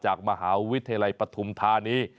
จากมหาวิทยาลัยปฐุมธานี